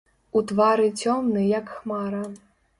У твары цёмны, як хмара.